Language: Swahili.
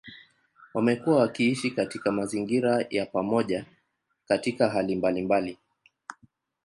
Wamekuwa wakiishi katika mazingira ya pamoja katika hali mbalimbali.